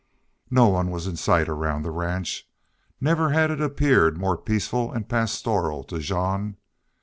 No one was in sight around the ranch. Never had it appeared more peaceful and pastoral to Jean.